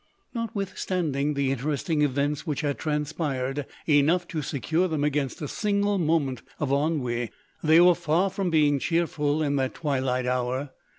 Notwithstanding the interesting events which had transpired, enough to secure them against a single moment of ennui, they were far from being cheerful in that twilight hour.